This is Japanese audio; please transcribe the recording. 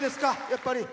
やっぱり。